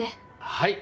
はい。